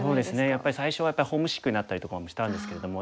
やっぱり最初はホームシックになったりとかもしたんですけれども。